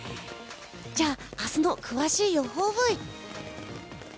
じゃあ、明日の詳しい予報ブイ。